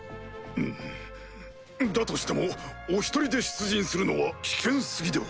だとしてもお１人で出陣するのは危険過ぎでは。